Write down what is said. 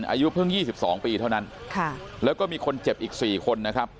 อายุเพิ่งยี่สิบสองปีเท่านั้นค่ะแล้วก็มีคนเจ็บอีกสี่คนนะครับ